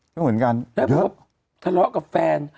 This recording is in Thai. แล้วถ้าร้อกับแฟน